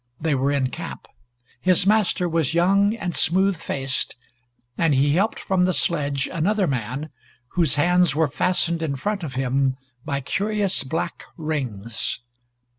They were in camp. His master was young and smooth faced and he helped from the sledge another man whose hands were fastened in front of him by curious black rings.